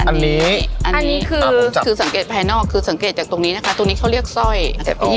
อันนี้อันนี้คือสังเกตภายนอกคือสังเกตจากตรงนี้นะคะตรงนี้เขาเรียกสร้อย